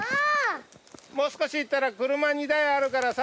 もう少し行ったら車２台あるからさ